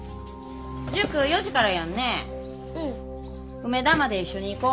梅田まで一緒に行こ。